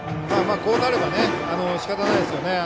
こうなればしかたないですよね。